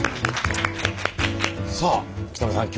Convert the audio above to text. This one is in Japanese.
さあ北村さん